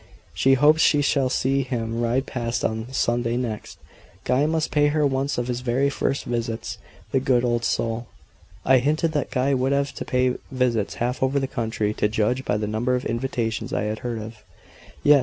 She hopes she shall see him ride past on Sunday next. Guy must pay her one of his very first visits; the good old soul!" I hinted that Guy would have to pay visits half over the country, to judge by the number of invitations I had heard of. "Yes.